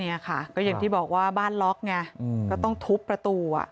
เนี่ยค่ะก็อย่างที่บอกว่าบ้านล็อกไงก็ต้องทุบประตูอ่ะ